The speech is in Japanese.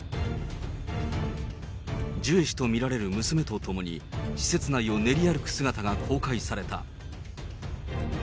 ジュエ氏と見られる娘と共に、施設内を練り歩く姿が公開された。